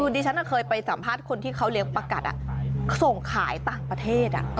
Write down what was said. ดิฉันเคยไปสัมภาษณ์คนที่เขาเลี้ยงประกัดส่งขายต่างประเทศ